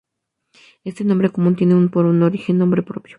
Este nombre común tiene por origen un nombre propio.